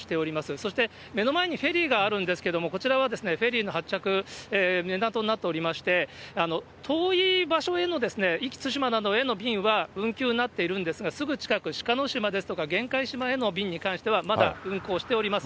そして目の前にフェリーがあるんですけれども、こちらはフェリーの発着港になっておりまして、遠い場所への壱岐対馬などへの便は運休になっているんですが、すぐ近く、しかの島ですとか、玄界島への便に関してはまだ運航しております。